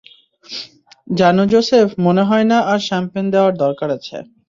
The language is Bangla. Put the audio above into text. জানো, জোসেফ, মনে হয় না আর শ্যাম্পেন দেওয়ার দরকার আছে।